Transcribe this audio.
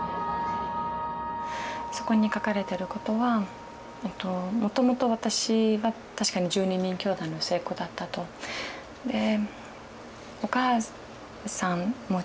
そこに書かれてることはもともと私は確かに１２人きょうだいの末っ子だったと。でお母さんもちゃんといてお父さんもいたと。